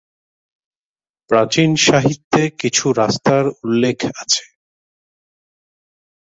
প্রাচীন সাহিত্যে কিছু রাস্তার উল্লেখ আছে।